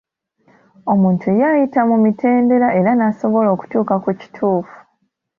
Omuntu ye ayita mu mitendera era n'asobola okutuuka ku kituufu.